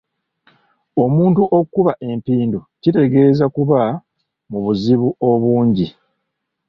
Omuntu okuba empindu kitegeeza kuba mu buzibu obungi.